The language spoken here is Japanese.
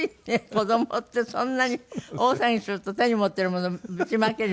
子供ってそんなに大騒ぎすると手に持っているものぶちまける？